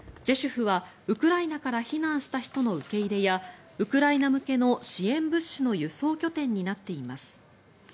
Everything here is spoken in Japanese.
ジェシュフはウクライナから避難した人の受け入れやウクライナ向けの支援物資の輸送拠点になっています。